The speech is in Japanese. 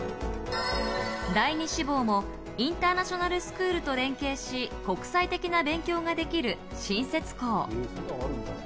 第２志望もインターナショナルスクールと連携し、国際的な勉強ができる新設校。